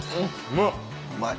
うまい。